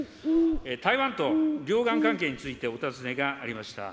台湾と両岸関係についてお尋ねがありました。